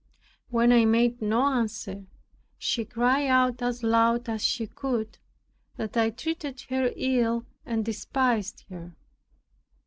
When I made no answer, she cried out as loud as she could, that I treated her ill and despised her.